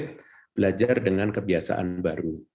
kita belajar dengan kebiasaan baru